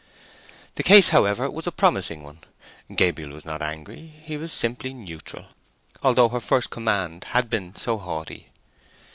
The case, however, was a promising one. Gabriel was not angry: he was simply neutral, although her first command had been so haughty.